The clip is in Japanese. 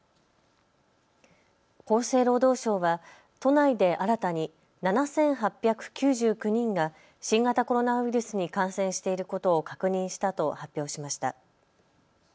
厚生労働省は都内で新たに７８９９人が新型コロナウイルスに感染していることを確認したと発表しました。